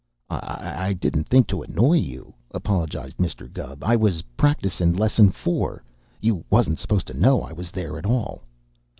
"I didn't think to annoy you," apologized Mr. Gubb. "I was practicin' Lesson Four. You wasn't supposed to know I was there at all."